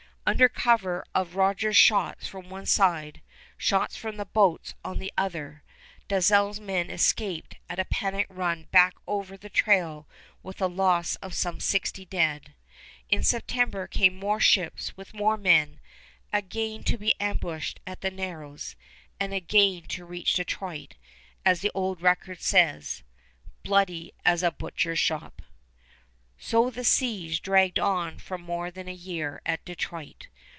Under cover of Rogers' shots from one side, shots from the boats on the other, Dalzell's men escaped at a panic run back over the trail with a loss of some sixty dead. In September came more ships with more men, again to be ambushed at the narrows, and again to reach Detroit, as the old record says, "bloody as a butcher's shop." So the siege dragged on for more than a year at Detroit.